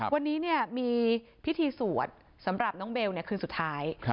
วันนี้มีพิธีสวดสำหรับน้องเบลคืนสุดท้าย